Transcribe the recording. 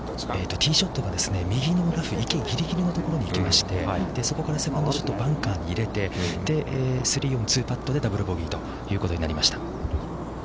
◆ティーショットが右のラフ池ぎりぎりのところに行きましてそこからセカンドショット、バンカーに入れて、スリーオン２パットでダブル・ボギーということになりました。